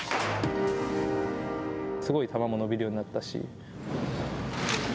すごい球も伸びるようになったし。